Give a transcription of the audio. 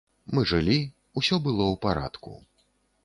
Мы жылі, усё было ў парадку.